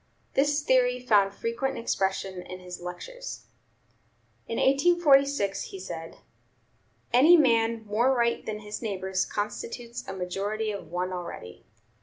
This theory found frequent expression in his lectures. In 1846 he said: "Any man more right than his neighbors constitutes a majority of one already."